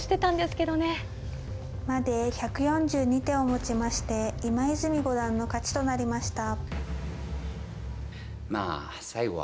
まで１４２手をもちまして今泉五段の勝ちとなりました。